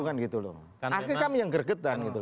akhirnya kami yang gregetan